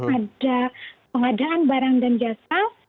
ada pengadaan barang dan jasa